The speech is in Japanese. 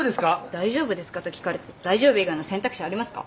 大丈夫ですかと聞かれて大丈夫以外の選択肢ありますか？